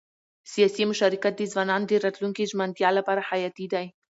سیاسي مشارکت د ځوانانو د راتلونکي ژمنتیا لپاره حیاتي دی